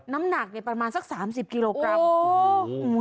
น้ำหนักประมาณสัก๓๐กิโลกรัม